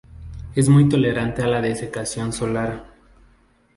Es muy tolerante a la desecación solar.